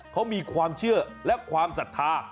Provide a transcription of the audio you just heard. เขามีความเชื่อและความศรัทธา